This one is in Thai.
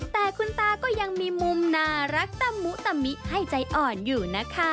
แต่คุณตาก็ยังมีมุมน่ารักตะมุตะมิให้ใจอ่อนอยู่นะคะ